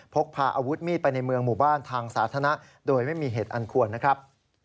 พกพาอาวุธมีดไปในเมืองหมู่บ้านทางสาธารณะโดยไม่มีเหตุอันควรนะครับ